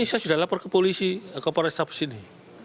ini saya sudah lapor ke polisi ke polar stabes ini